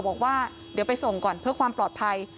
บอกว่าเดี๋ยวไปส่งก่อนเพื่อความปลอดภัย